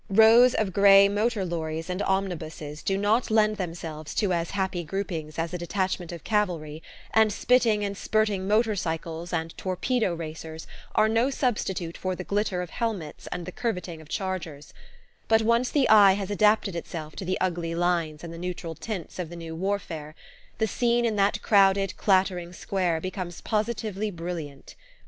Rows of grey motor lorries and omnibuses do not lend themselves to as happy groupings as a detachment of cavalry, and spitting and spurting motor cycles and "torpedo" racers are no substitute for the glitter of helmets and the curvetting of chargers; but once the eye has adapted itself to the ugly lines and the neutral tints of the new warfare, the scene in that crowded clattering square becomes positively brilliant.